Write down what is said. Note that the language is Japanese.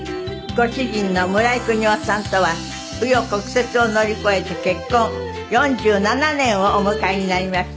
ご主人の村井國夫さんとは紆余曲折を乗り越えて結婚４７年をお迎えになりました。